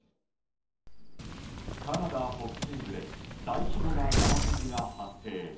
カナダ北西部で大規模な山火事が発生。